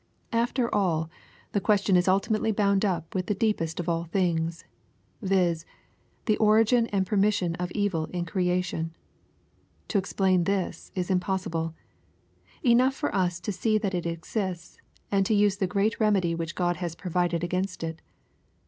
Aft^r all, the question is ultimately bound up with the deepest of all things :— viz. the origin and permission of evil in creation. To explain this is impossible. Enough for us to see that it exists, and to use the great remedy which God has provided against it.